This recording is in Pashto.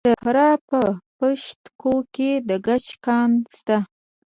د فراه په پشت کوه کې د ګچ کان شته.